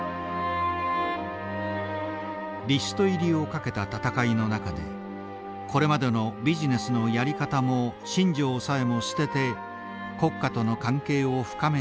リスト入りを懸けた闘いの中でこれまでのビジネスのやり方も信条さえも捨てて国家との関係を深めていきました。